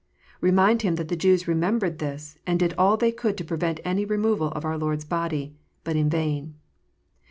Remind him that the Jews remembered this, and did all they could to prevent any removal of our Lord s body, but in vain.